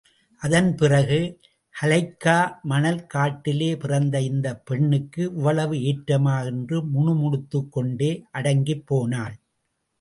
அதன் பிறகு, கலெய்க்கா, மணல் காட்டிலே பிறந்த இந்தப் பெண்ணுக்கு இவ்வளவு ஏற்றமா என்று முணுமுணுத்துக் கொண்டே அடங்கிப்போனாள்.